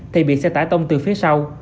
thì bị xe tải tông từ phía sau